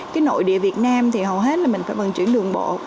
cái nội địa việt nam thì hầu hết là mình phải vận chuyển đường bộ